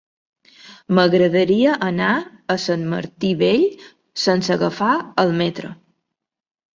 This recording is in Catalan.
M'agradaria anar a Sant Martí Vell sense agafar el metro.